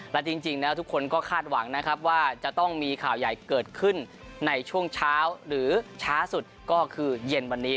และจริงแล้วทุกคนก็คาดหวังนะครับว่าจะต้องมีข่าวใหญ่เกิดขึ้นในช่วงเช้าหรือช้าสุดก็คือเย็นวันนี้